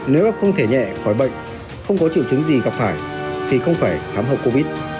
nếu không thể nhẹ khỏi bệnh không có triệu chứng gì gặp phải thì không phải khám hậu covid